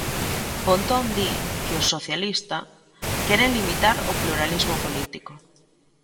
Pontón di que os socialista queren limitar o pluralismo político.